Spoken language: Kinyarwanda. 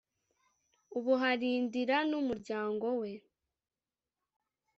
Ubu Harindra numuryango we.